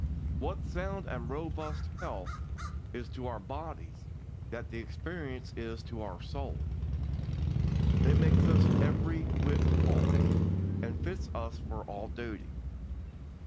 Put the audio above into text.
What sound and robust health is to our bodies, that the experience is to our souls. It makes us every whit whole, and fits us for all duty.